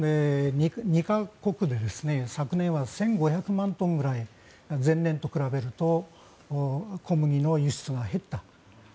２か国で昨年は１５００万トンくらい前年と比べると小麦の輸出が減った。